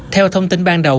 theo thông tin ban đầu